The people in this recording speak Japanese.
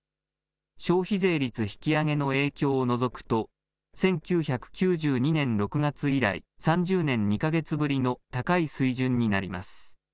消費税率引き上げの影響を除くと、１９９２年６月以来、３０年２か月ぶりの高い水準になります。